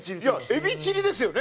エビチリですよね